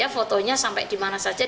fotonya sampai dimana saja